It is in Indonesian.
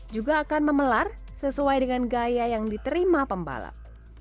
juga akan memelar sesuai dengan gaya yang diterima pembalap